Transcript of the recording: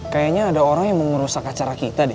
kayaknya ada orang yang mau merusak acara kita deh